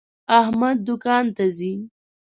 احمد دوکان ته ځي.